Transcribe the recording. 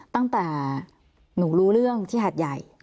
ตั้งแต่หนูรู้เรื่องที่หัดใหญ่